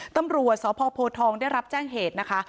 ตำรวจสพโพทองได้รับแจ้งเหตุนะคะ